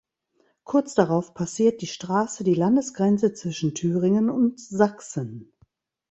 Kurz darauf passiert die Straße die Landesgrenze zwischen Thüringen und Sachsen.